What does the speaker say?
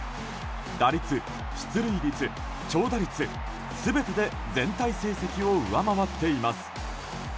打率、出塁率、長打率全てで全体成績を上回っています。